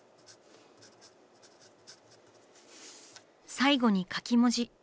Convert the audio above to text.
最後に書き文字。